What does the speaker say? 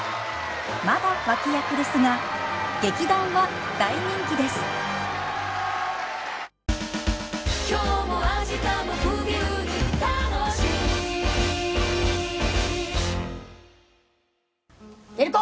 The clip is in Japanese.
まだ脇役ですが劇団は大人気です照子！